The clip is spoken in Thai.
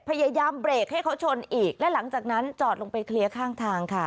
พยายามเบรกให้เขาชนอีกและหลังจากนั้นจอดลงไปเคลียร์ข้างทางค่ะ